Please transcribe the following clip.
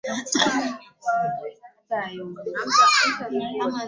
ajali ya titanic inasisimua akili za watu